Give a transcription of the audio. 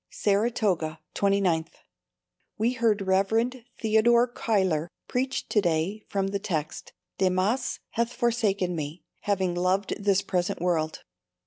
Saratoga, 29_th._ We heard Rev. Theodore Cuyler preach to day from the text, "Demas hath forsaken me, having loved this present world."